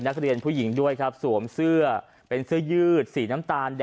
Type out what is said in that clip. นักเรียนผู้หญิงด้วยครับสวมเสื้อเป็นเสื้อยืดสีน้ำตาล